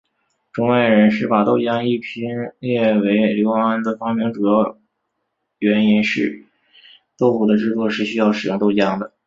中外人士把豆浆一拼列为刘安的发明主因是豆腐的制作是需要使用豆浆的。